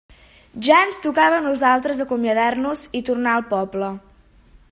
Ja ens tocava a nosaltres acomiadar-nos i tornar al poble.